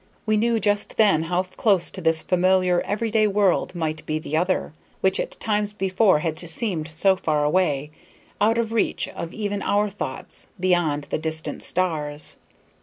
We knew just then how close to this familiar, every day world might be the other, which at times before had seemed so far away, out of reach of even our thoughts, beyond the distant stars.